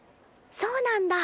そうなんだ。